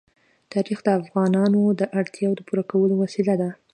تاریخ د افغانانو د اړتیاوو د پوره کولو وسیله ده.